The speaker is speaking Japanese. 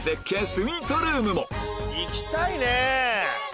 スイートルームも行きたいね！